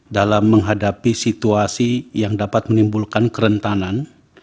dalam menghadapi situasi yang dapat menimbulkan kerentanan